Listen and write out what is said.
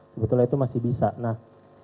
sebetulnya itu masih bisa nah